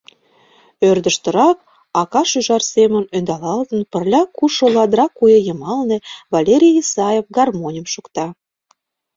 Ӧрдыжтырак, ака-шӱжар семын ӧндалалтын пырля кушшо ладра куэ йымалне, Валерий Исаев гармоньым шокта.